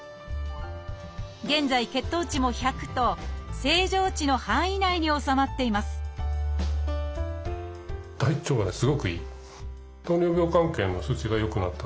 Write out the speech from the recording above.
現在血糖値も１００と正常値の範囲内に収まっていますチョイス！